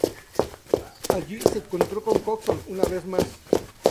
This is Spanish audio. Allí, se encontró con Coxon una vez más.